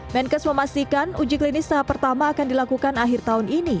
menkes memastikan uji klinis tahap pertama akan dilakukan akhir tahun ini